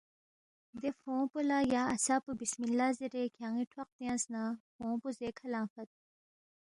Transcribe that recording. دے فونگ پو لہ یا عصا پو بِسم الّلہ زیرے کھیان٘ی ٹھواق تیانگس نہ فونگ پو زے کھہ لنگفَت